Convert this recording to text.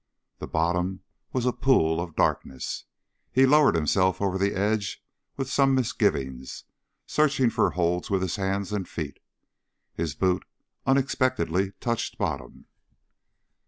The bottom was a pool of darkness. He lowered himself over the edge with some misgivings, searching for holds with his hands and feet. His boot unexpectedly touched bottom.